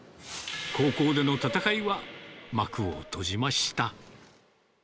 高校での戦いは幕を閉じました。